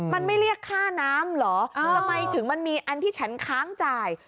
มันไม่เรียกค่าน้ำเหรอทำไมถึงมันมีอันที่ฉันค้างจ่าย